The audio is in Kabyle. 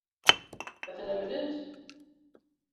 Ad ten-amnent?